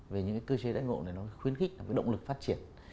về những cơ chế đãi ngộ này nó khuyến khích động lực phát triển